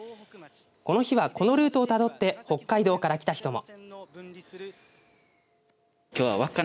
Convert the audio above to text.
この日は、このルートをたどって北海道から来た人も。